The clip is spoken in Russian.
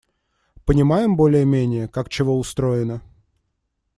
Понимаем более-менее, как чего устроено.